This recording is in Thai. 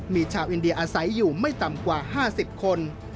มีชาวอินเดียอาศัยอยู่ไม่ต่ำกว่า๕๐คน